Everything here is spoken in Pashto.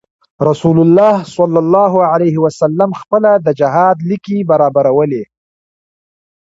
رسول الله صلی علیه وسلم خپله د جهاد ليکې برابرولې.